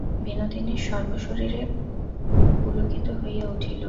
বিনোদিনীর সর্বশরীর পুলকিত হইয়া উঠিল।